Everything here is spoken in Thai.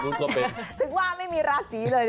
ถึงว่าไม่มีราศีเลยนะ